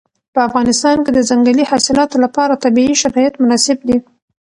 په افغانستان کې د ځنګلي حاصلاتو لپاره طبیعي شرایط مناسب دي.